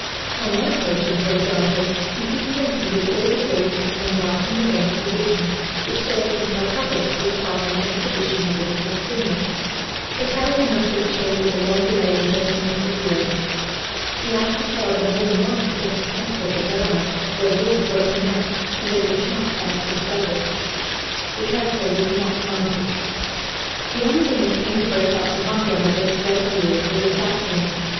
On one occasion, for example, he superintended all the arrangements for embarking the Bengal Division, which sailed from Calcutta to take part in an expedition against Abyssinia. But how he must have chafed at the long delay in getting into the field. He asked his father more than once to get him transferred to Burma, where war had broken out and there was a chance for active service. The transfer was not granted. The only thing that came to break up the humdrum of those first years was a cyclone.